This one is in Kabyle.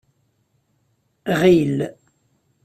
Ɣil.